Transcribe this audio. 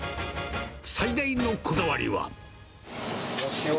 最大のこだわりは。